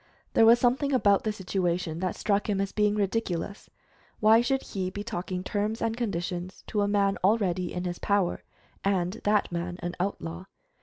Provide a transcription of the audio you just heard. There was something about the situation that struck him as being ridiculous. Why should he be talking terms and conditions to a man already in his power, and that man an outlaw?